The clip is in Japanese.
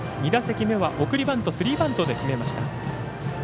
２打席目は送りバントスリーバントで決めました。